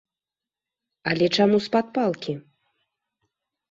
Але чаму з-пад палкі?